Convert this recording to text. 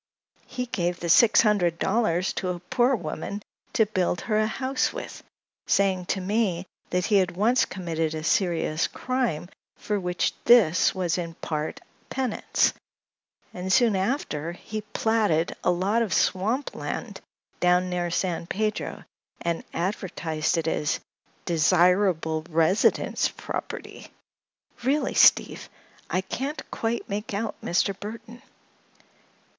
He gave the six hundred dollars to a poor woman to build her a house with, saying to me that he had once committed a serious crime for which this was in part penance, and soon after he platted a lot of swamp land down near San Pedro and advertised it as 'desirable residence property.' Really, Steve, I can't quite make out Mr. Burthon."